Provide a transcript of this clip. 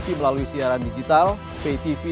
kami sampaikan tadi kami menghormati